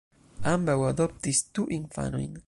Ambaŭ adoptis du infanojn.